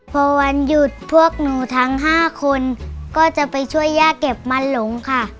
พอวันหยุดพวกหนูทั้ง๕คนก็จะไปช่วยย่าเก็บมันหลงค่ะ